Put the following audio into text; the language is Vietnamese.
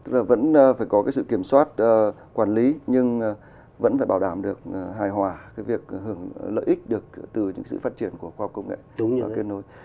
vâng vẫn phải có cái sự kiểm soát quản lý nhưng vẫn phải bảo đảm được hài hòa cái việc hưởng lợi ích được từ những sự phát triển của khoa học công nghệ và kênh nối